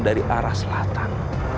dari arah selatan